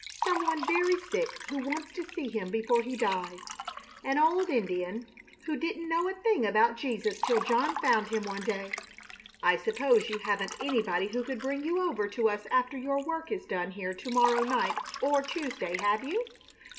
Some one very sick who wants to see him before he dies an old Indian who didn't know a thing about Jesus till John found him one day. I suppose you haven't anybody who could bring you over to us after your work is done here to morrow night or Tuesday, have you?